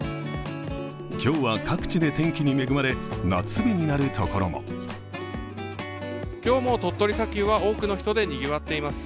今日は各地で天気に恵まれ夏日になるところも今日も鳥取砂丘は多くの人でにぎわっています。